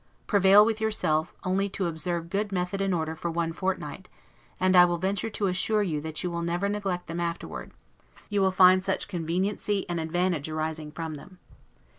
Prevail with yourself, only to observe good method and order for one fortnight; and I will venture to assure you that you will never neglect them afterward, you will find such conveniency and advantage arising from them.